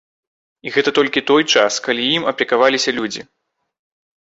І гэта толькі той час, калі ім апекаваліся людзі.